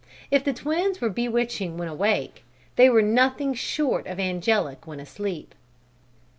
If the twins were bewitching when awake, they were nothing short of angelic when asleep.